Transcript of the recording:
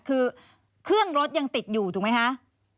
คือเครื่องรถยังติดอยู่ถูกไหมคะ